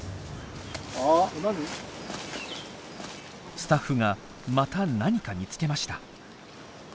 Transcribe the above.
スタッフがまた何か見つけました。